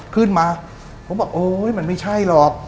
ขึ้นมาผมบอกโอ๊ยมันไม่ใช่หรอก